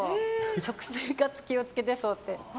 食生活気を付けてそうって。